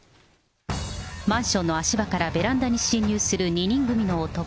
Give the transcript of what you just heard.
マンションの足場からベランダに侵入する２人組の男。